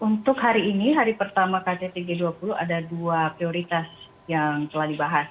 untuk hari ini hari pertama kttg dua puluh ada dua prioritas yang telah dibahas